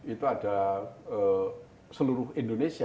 itu ada seluruh indonesia